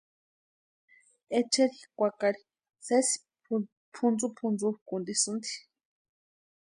Echeri kwakari sési pʼuntsupʼuntsukʼuntisïnti.